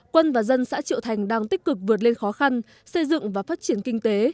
quân và dân xã triệu thành đang tích cực vượt lên khó khăn xây dựng và phát triển kinh tế